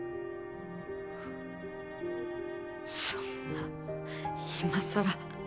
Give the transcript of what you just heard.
そんないまさら。